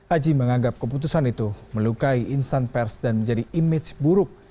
aji menganggap keputusan itu melukai insan pers dan menjadi image buruk